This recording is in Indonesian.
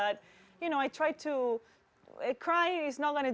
tapi saya mencoba untuk